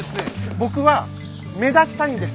僕は目立ちたいんです。